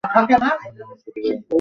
ধন্যবাদ, ছোটো ভাই।